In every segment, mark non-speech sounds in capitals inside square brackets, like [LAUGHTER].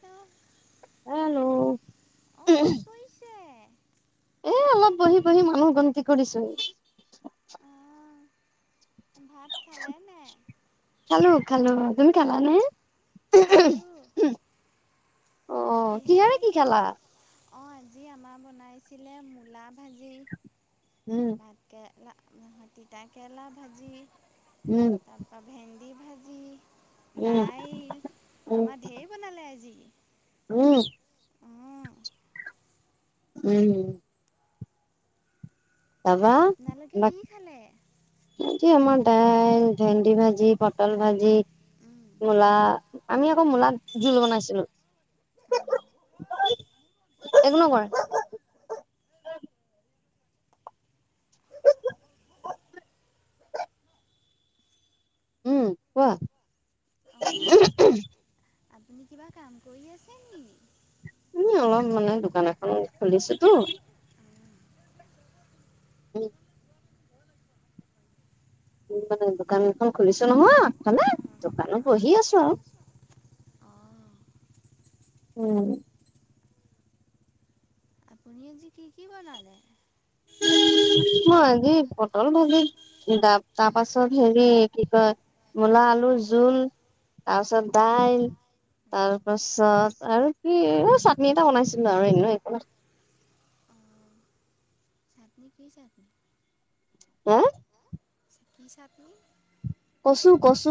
তফ। [UNINTELLIGIBLE] অ' কি কৰিছে? এ' অলপ বহি বহি মানুহ গন্তি কৰিছো। অ' ভাত খালে নে? খালো খালো। তুমি খলা নে? খালো। ওহ। কিহেৰে কি কি? অ' আজি আমাৰ বনাইছিলে মূলা ভাজি, ভাত ত কেৰেলা নহয় তিতা কেৰেলা ভাজি তাৰপৰা ভেন্দি ভাজি, দাইল আমাৰ ঢেৰ বনালে আজি। উম। উম। উম। তাপা নাক আজি আমাৰ দাইল, ভেন্দি ভাজি, পটল ভাজি, মূলা আমি আকৌ মূলা জোল বনাইছিলো। একোনকৰে। উম কোৱা। আপুনি কিবা কাম কৰি আছে নি? উম অলপ মানে দোকান এখনো খুলিছো তো। উম। মানে দোকান এখন খুলিছো নহয় আগফালে, দোকানত বহি আছো আৰু। উম। আপুনি আজি কি কি বনালে? মই আজি পটল ভাজি তা- তাৰ পাছত হেৰি কি কয় মূলা, আলু জোল। তাৰপিছত দাইল তাৰ পাছত আৰু কি এই চাটনি এটা বনাইছিলো আৰু অন্য একো নাই। নি কি চাটনি? অ'। কি চাটনি? কচু, কচু।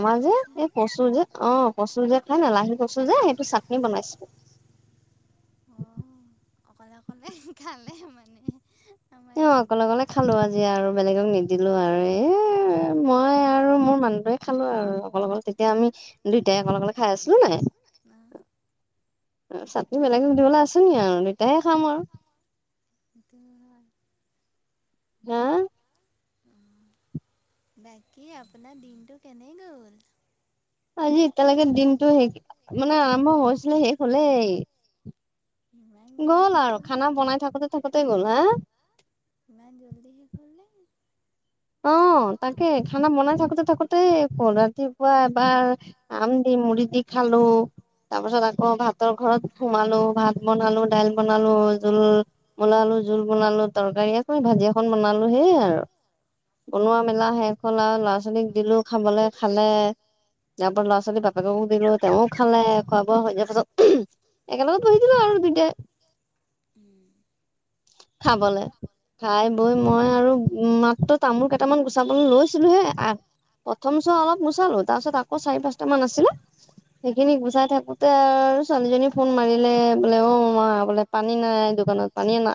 আমাৰ যে এই কচু যে অ' কচু যে খাই চু যে সেইটো চাটনি বনাইছো। অ' অকলে, অকলে খালে মানে। এ' অকলে অকলে খালো আজি আৰু বেলেগক নিদিলো আৰু। এ [INAUDIBLE] মই আৰু মোৰ মানুহটোৱে খালো আৰু অকন অকন, তেতিয়া আমি দুইটাই অকলে অকলে খাই আছিলো নে নাই। নাই। চাটনি বেলেগক দিবলৈ আছে। ল আছ খাম হয় [UNINTELLIGIBLE] হা। বাকী আপোনাৰ দিনটো কেনে গ'ল? আজি এতিয়ালৈকে দিনটো সে মানে আৰম্ভ হৈছিলে শেষ হ'লেই। গ'ল আৰু খানা বনাই থাকোতে থাকোতে গ'ল। হা ইমান জল্দি শেষ হ'ল নে? অ', তাকে খানা বনাই থাকোতে থাকোতে ৰাতিপুৱা এবাৰ, আম দি মুৰি দি খালো। তাৰ পিছত আকৌ ভাতৰ ঘৰত সোমালোঁ, ভাত বনালো দাইল বনালো, জোল বনালো, জোল বনালো, তৰকাৰী এখন ভাজি এখন বনালো সেয়ে আৰু বনোৱা মেলা শেষ হ'ল আৰু ল'ৰা ছোৱালীক দিলো খাবলৈ খালে। তাৰপা ল'ৰা ছোৱালী বাপেককো দিলো, তেওঁ খালে, খোৱা বোৱা হৈ যোৱাৰ পাছত একেলগত বহি দিলো আৰু দুইটায়। উম্, খাবলৈ, খাই বৈ মই আৰু উম্, মাত্ৰ তামোল কেইটামান গুচাবলৈ লৈছিলোঁ হে, আহ্ প্ৰথম চোৱা অলপ গোচালো, তাৰপিছত আকৌ চাৰি পাঁচটা মান আছিলে সেইখিনি গুচাই থাকোতে আৰু ছোৱালীজনী ফোন মাৰিলে বোলে অ', মা বোলে পানী নাই দোকানত পানী আনা,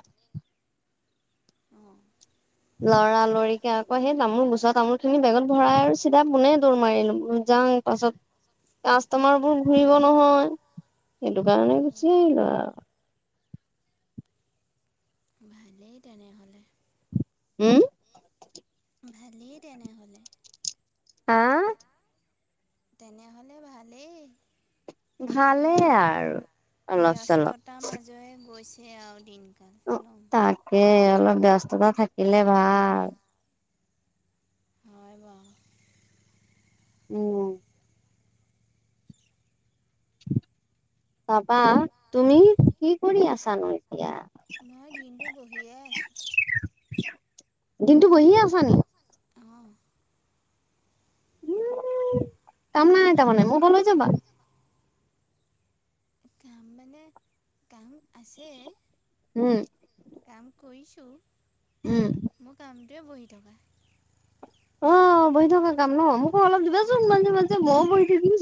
লৰা-লৰিকে আকৌ সেই তামোল গুচোৱা তামোল খিনি বেগত ভৰাই আৰু চিধা পোনে দৌৰ মাৰিলো জাওং। পাছত, কাষ্টমাৰ বোৰ ঘূৰিব নহয়। সেইটো কাৰণে গুচি আহিলোঁ আৰু। ভালেই তেনেহ'লে। উম্। ভালেই তেনেহ'লে। অ', তেনেহ'লে ভালেই। ভালেই আৰু। ব্যস্ততাৰ মাজেৰে গৈছে আৰু দিনকাল ন। তাকে অলপ ব্যস্ততা থাকিলে ভাল। হয় বাৰু। উম্। তাপা, তুমি কি কৰি আছানো এতিয়া? মই দিনটো বহিয়ে আছোঁ। দিনটো বহিয়ে আছা নি। অ', কাম ন নাই তাৰমানে, মোৰ পৰা লৈ যাবা। মানে কাম আছে। উম্, কাম কৰিছোঁ, মোৰ কামটোৱে বহি থকা। অ', বহি থকা কাম ন, মোকো অলপ দিবাচোন মাজে মাজে ময়ো বহি থাকিম।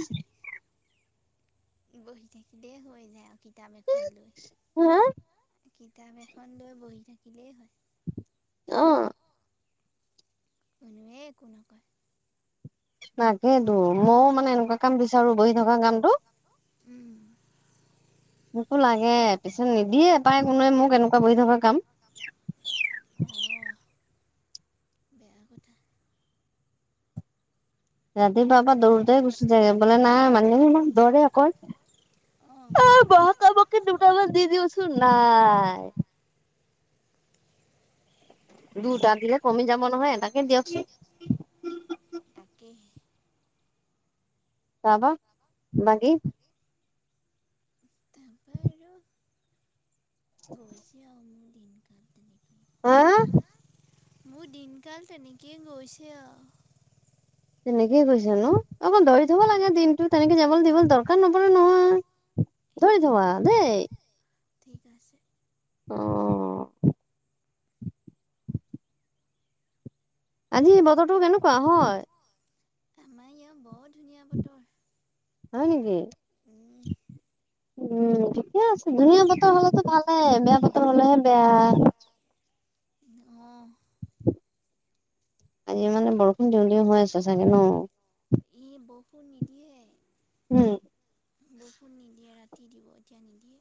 বহি থাকিলেই হৈ যায় আৰু কিতাপ এখন লৈ। কিতাপ এখন লৈ বহি থাকিলেই হয়। অ', কোনোৱে একো নকয়। তাকেইতো, মইও মানে এনেকুৱা কাম বিচাৰো, বহি থকা কামটো। উম্, মোকো লাগে, পিছে নিদিয়ে পাই কোনোৱে মোক এনেকুৱা বহি থকা কাম। অ', বেয়া কথা। ৰাতিপুৱা পৰা দৌৰোতে গুচি যায়। বোলে নাই মানুহজনী দৌৰে আকৌ, অ', বহা কামকে দুটামান দি দিওঁচোন নাই, দুটা দিলে কমি যাব নহয়। এটাকে দিয়কচোন, তাকেই। খোৱা বোৱা, বাকী। তাৰপা আৰু, গৈছে আৰু মোৰ দিনকাল তেনেকে। হা? মোৰ দিনকাল তেনেকেই গৈছে আও। তেনেকয়ে গৈছে ন' আকৌ ধৰি থব লাগে দিনটো তেনেকে যাবলৈ দিব দৰকাৰ নপৰে নহয়। ধৰি থোৱা দেই। ঠিক আছে। অ'। আজি বতৰটো কেনেকুৱা হয়? ইয়াত বৰ ধুনীয়া বতৰ। হয় নেকি? উম, ঠিকে আছে ধুনীয়া বতৰ হলেতো ভালে। বেয়া বতৰ হলেহে বেয়া। অ'। আজি মানে বৰষুণ দিওঁ দিওঁ হৈ আছ চাগে ন'? ই বৰষুণ নিদিয়ে। উম। বৰষুন নিদিয়ে ৰাতি দিব এতিয়া নিদিয়ে।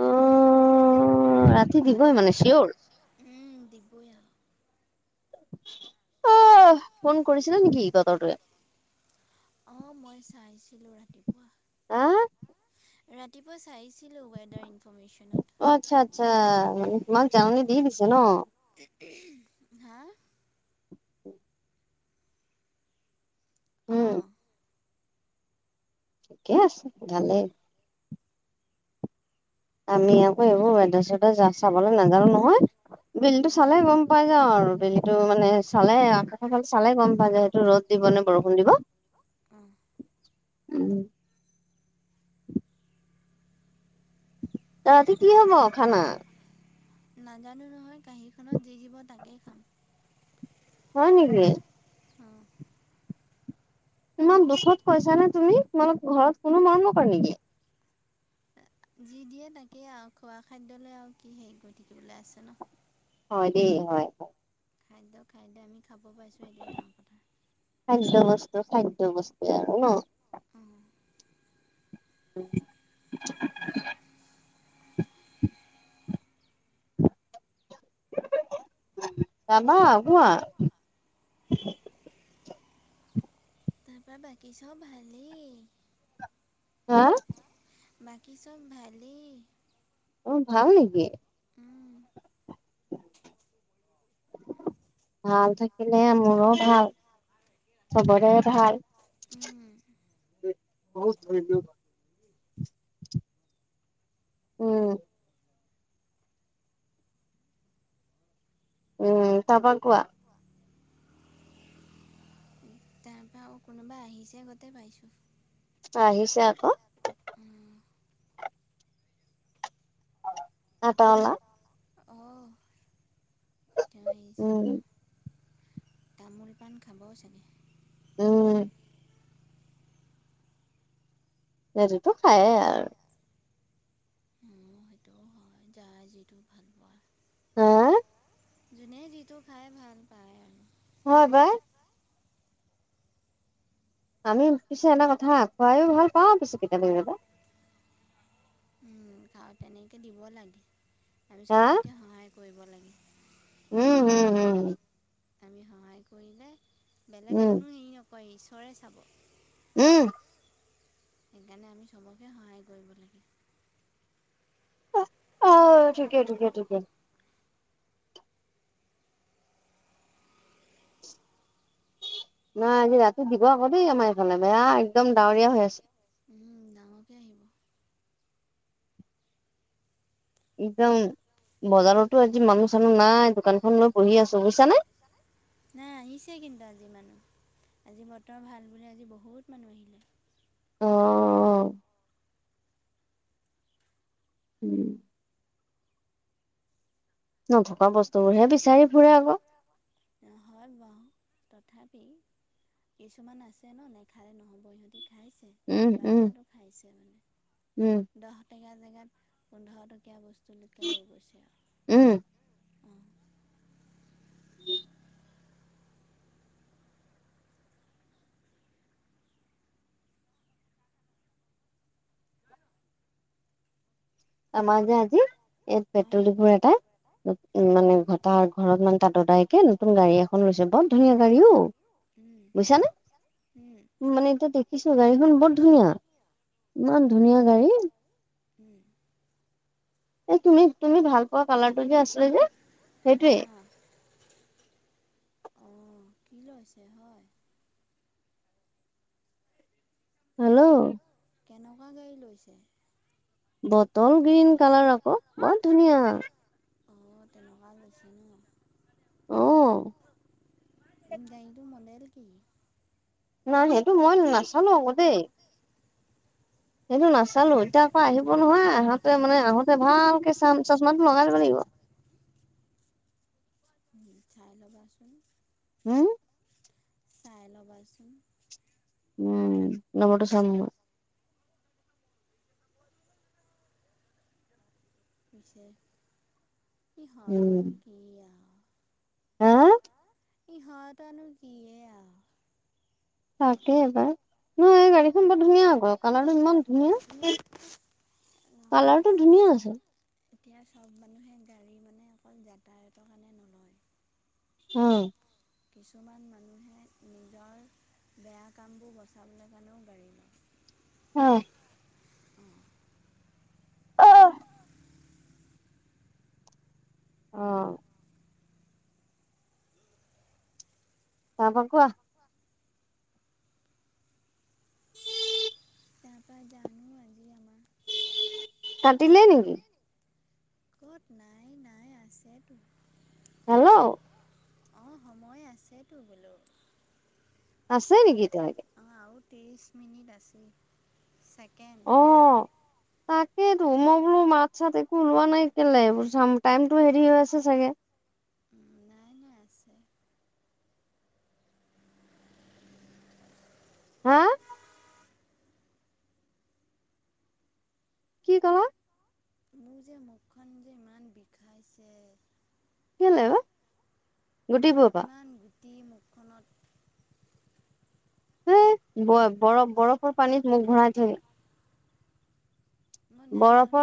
অ', ৰাতি দিবয়ে মানে চিয়'ৰ? উম, দিবই আৰু। [UNINTELLIGIBLE] ফোন কৰিছিলে নেকি বতৰটোৱে? অ', মই চাইছিলোঁ ৰাতিপুৱা। আ? ৰাতিপুৱা চাইছিলোঁ ৱেডাৰ ইনফৰৰ্মেশ্যনত। অ', আটচ্ছা, আটচ্ছা মানে তোমাক জাননী দি দিছে ন'? হা? অ'। ঠিকে আছে, ভালে। আমি আকৌ এইবোৰ ওৱেডাৰ চুৱেডাৰ চাবলৈ নাজানো নহয়। বেলিটো চালেই গম পাই যাওঁ আৰু, বেলিটো মানে চালে আকাশখন চালে গম পাই যা। সেইটো ৰ'দ দিব নে বৰষুণ দিব। অ'। উম। ৰাতি কি হ'ব খানা? নাজানো নহয় কাঁহীখনত যি দিব তাকে খাম। হয় নেকি? অ'। ইমান দুখত কৈছা নে তুমি, তোমাক ঘৰত কোনোও মৰম নকৰে নেকি? যি দিয়ে তাকেই আৰু, খোৱা খাদ্যলৈ আৰু কি হেৰি কৰি থাকিবলৈ আছে নো। হয় দেই, হয়। খাদ্য খাদ্যই আমি খাব পাইছোঁ। এইটোৱে ডাঙৰ কথা। খাদ্য বস্তু খাদ্য বস্তু আৰু ন'? [UNINTELLIGIBLE] যাবা আ [UNINTELLIGIBLE] তাৰ পৰা বাকী চব ভালে। হা? বাকী চব ভালে। অ', ভাল নেকি? ভাল থাকিলে মোৰো ভাল। চবৰে ভাল। উম। [UNINTELLIGIBLE] [INAUDIBLE] উম তাৰপৰা কোৱা [UNINTELLIGIBLE] তাৰপৰা কোনোবা আহিছে গোটেই পাইছোঁ। আহিছে আকৌ। [INAUDIBLE] [UNINTELLIGIBLE] অ', তেওঁ আহিছে ন তামোল পাণ খাব চাগে উম সেইটোতো খাইয়ে আৰু উম সেইটোও হয় হয় যাৰ যিটো ভালপোৱা। যোনে যিটো খাই ভাল পায় আৰু হয় পাই আমি পিছে এটা কথা খুৱাইও ভাল পাওঁ পিছে কেতিয়াবা কেতিয়াবা। খাওঁ তেনেকৈ দিব লাগে আমি সবকে সহায় কৰিব লাগে। উম উম উম আমি সহায় কৰিলে বেলেগ কোনো হেৰি নকয় ঈশ্বৰে চাব। উম সেইকাৰণে আমি সবকে সহায় কৰিব লাগে। ঠিকে ঠিকে ঠিকে। নহয় আজি ৰাতি দিব আকৌ দেই আমাৰ এইফালে বেয়া একদম ডাৱৰীয়া হৈ আছে। ডাঙৰকৈ আহিব। একদম বজাৰতো আজি মানুহ চানুহ নাই দোকানখন লৈ বহি আছো বুজিছা নে। নাই আহিছে কিন্তু আজি মানুহ আজি বতৰ ভাল বুলি আজি বহুত মানুহ আহিলে। অ', [INAUDIBLE] নথকা বস্তুবোৰহে বিচাৰি ফুৰে আকৌ। হয় বাৰু তথাপি কিছুমান আছে ন নেখালে নহ'ব ইহঁতি খাইছে। কিবা এটাটো খাইছে মানে। দহ টকা জেগাত পোন্ধৰ টকীয়া বস্তুলৈকে লৈ গৈছে আৰু অ', আমাৰ যে আজি এই পেট্ৰল ডিপোৰ এটাই উ মানে ঘ তাৰ ঘৰত মানে ত দদায়কে নতুন গাড়ী এখন লৈছে বৰ ধুনীয়া গাড়ীও। উম উম মানে এতিয়া দেখিছো গাড়ীখন বৰ ধুনীয়া ইমান ধুনীয়া গাড়ী। হম এই তুমি তুমি ভাল পোৱা কালাৰটো যে আছিলে যে সেইটোৱে। কি লৈছে হয় হেল্ল' কেনেকুৱা গাড়ী লৈছে? বটল গ্ৰীণ কালাৰ আকৌ ইমান ধুনীয়া। অ', তেনেকুৱা লৈছে নহ অ' গাড়ীটো মডেল কি? নাই সেইটো মই নাচানো আকৌ দেই। সেইটো নাচালো এতিয়া আকৌ আহিব নহয়, আহঁতে মানে আহোঁতে ভালকে চা চাচমাো লগাই দিব লাগিব। চাই ল'বাচোন। হুম। চাই ল'বাচোন। উম, নম্বৰটো চাম মই। পিছে কিহতনো কি আহ কি হা তানু কি এয়া তাকে এবাৰ, হু, গাড়ীখন বৰ ধুনীয়া হৈ গ'ল কালাৰটো ইমান হু? কালাৰটো ধুনীয়া আছে। এতিয়া চব মানুহে গাড়ী মানে অকল যাতায়াতৰ কাৰণে নলয়। হুম। কিছুমান মানুহে নিজৰ বেয়া কামবোৰ বচাবলৈ কাৰণেও গাড়ী লয়। হয়। অ'। অ'। চাহ নোখোৱা? তাৰপা জানু আজি আমাৰ কাটিলে নেকি? ক'ত নাই নাই আছেতো। হেল্ল'। অ' সময় আছেতো বোলো। আছে নেকি এতিয়ালৈকে? অ' আৰু ত্ৰিছ মিনিট আছে, ছেকেণ্ড। তাকেইেতো মই বোলো মাত চাত একো ওলোৱা নাই কেলে, এইবোৰ চাম টাইমটো হেৰি হৈ আছে চাগে। আছে। হা? কি কলা? মোৰ যে মুখখন যে ইমান বিষাইছে। কেইলে অ'। ইমান গুটি মুখখনত। এ, ব-বৰফ বৰফৰ পানীত মোক ভৰাই থবি। মই নেজানোৱে।